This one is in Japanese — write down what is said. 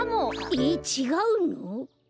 えちがうの？